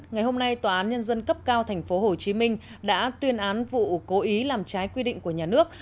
ngày hôm nay tòa án nhân dân cấp cao tp hcm đã tuyên án vụ cố ý làm trái quy định của nhà nước